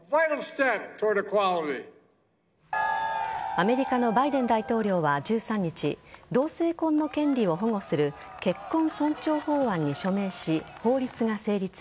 アメリカのバイデン大統領は１３日同性婚の権利を保護する結婚尊重法案に署名し法律が成立。